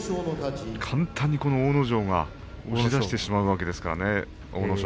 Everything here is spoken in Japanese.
簡単に阿武咲が押し出してしまうわけですからね。